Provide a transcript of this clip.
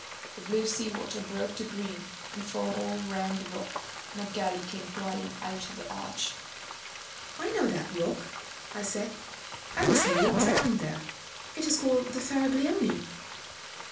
The blue sea water broke to green and foam all round the rock, and a galley came gliding out of the arch." "I know that rock." I said. "I was nearly drowned there. It is called the Faraglioni."